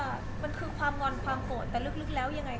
ค่ะมันคือความงอนความโกรธแต่ในภาพลังกรรมยังไม่้็งมาก